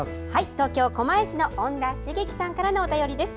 東京・狛江市の恩田茂樹さんからのお便りです。